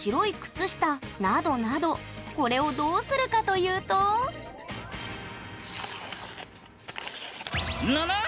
これをどうするかというとぬぬ！